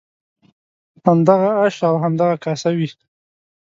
همدغه آش او همدغه کاسه وي.